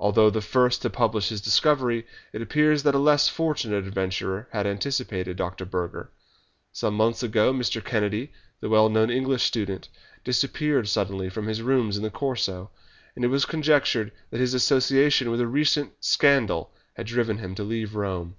Although the first to publish his discovery, it appears that a less fortunate adventurer had anticipated Dr. Burger. Some months ago Mr. Kennedy, the well known English student, disappeared suddenly from his rooms in the Corso, and it was conjectured that his association with a recent scandal had driven him to leave Rome.